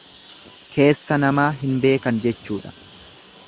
Keessa namaa hin beekan jechuudha.